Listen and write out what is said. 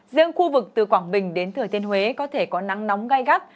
riêng khu vực từ quảng bình đến thừa thiên huế có thể có nắng nóng gai gắt